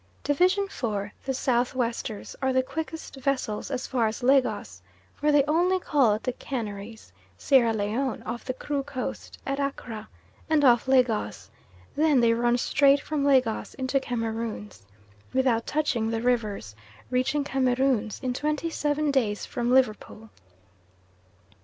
Division 4, the South westers, are the quickest vessels as far as Lagos, for they only call at the Canaries, Sierra Leone, off the Kru Coast, at Accra, and off Lagos; then they run straight from Lagos into Cameroons, without touching the Rivers, reaching Cameroons in twenty seven days from Liverpool.